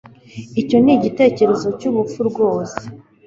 Icyo ni igitekerezo cyubupfu rwose